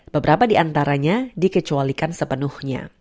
beberapa di antaranya dikecualikan sepenuhnya